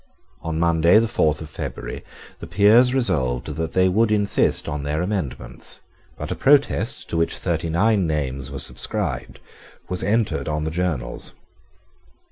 On Monday the fourth of February the Peers resolved that they would insist on their amendments but a protest to which thirty nine names were subscribed was entered on the journals.